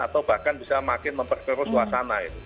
atau bahkan bisa makin memperkeruh suasana